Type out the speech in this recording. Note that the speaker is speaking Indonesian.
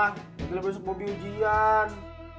mungkin besok bobby ujian